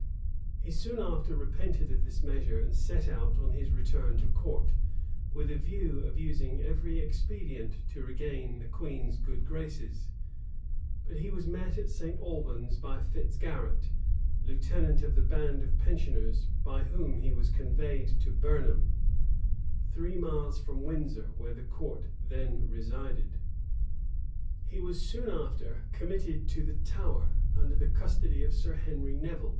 [] He soon after repented of this measure, and set out on his return to court, with a view of using every expedient to regain the queen's good graces; but he was met at St. Albans by Fitz Garret, lieutenant of the band of pensioners by whom he was conveyed to Burnham, three miles from Windsor, where the court then resided.[] * Camden, p. 420 Haynes, p. 528. Haynes, p. 339. He was soon after committed to the Tower, under the custody of Sir Henry Nevil.